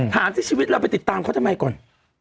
ที่ชีวิตเราไปติดตามเขาทำไมก่อน